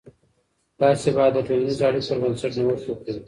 تاسې باید د ټولنیزو اړیکو پر بنسټ نوښت وکړئ.